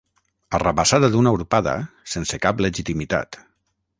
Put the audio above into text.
Arrabassada d'una urpada, sense cap legitimitat.